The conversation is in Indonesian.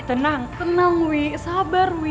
tenang wi sabar wi